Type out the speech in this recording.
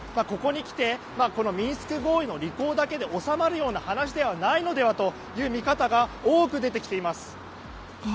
ここに来て、このミンスク合意の履行だけで収まるような話ではないのではという見方が多く出てきています。